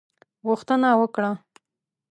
غوښتنه وکړه.